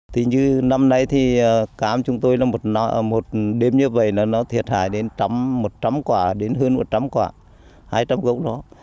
tuy nhiên năm nay thì cam chúng tôi một đêm như vậy nó thiệt hại đến một trăm linh quả đến hơn một trăm linh quả hai trăm linh gốc đó